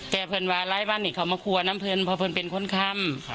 แต่เพื่อนว่าร้ายวันนี้เขามากลัวน้ำเพลินเพราะเพลินเป็นคนทำ